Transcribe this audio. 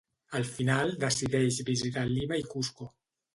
Al final decideix visitar Lima i Cusco.